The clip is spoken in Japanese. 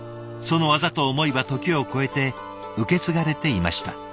その技と思いは時を超えて受け継がれていました。